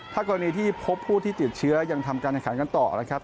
ถ้ากรณีที่พบผู้ที่ติดเชื้อยังทำการแข่งขันกันต่อนะครับ